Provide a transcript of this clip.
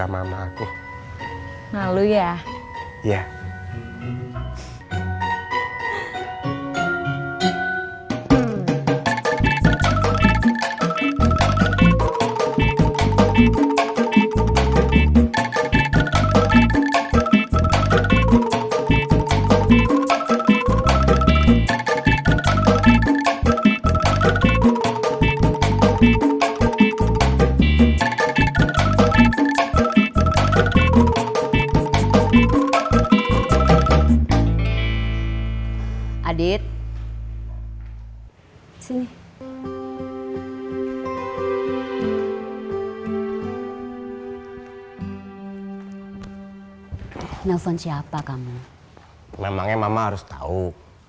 memangnya mama harus tahu